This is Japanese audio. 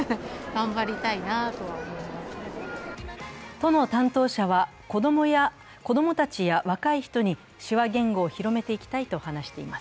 都の担当者は、子供たちや若い人に手話言語を広めていきたいと話しています。